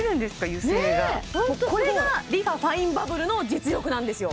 油性がこれがＲｅＦａファインバブルの実力なんですよ